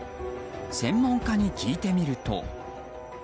専門家に聞いてみると。